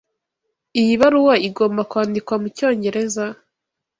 Iyi baruwa igomba kwandikwa mucyongereza?